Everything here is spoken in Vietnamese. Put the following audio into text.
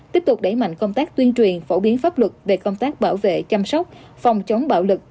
tiếp tục đẩy mạnh công tác tuyên truyền phổ biến pháp luật về công tác bảo vệ chăm sóc phòng chống bạo lực